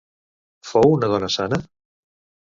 Fou una dona sana?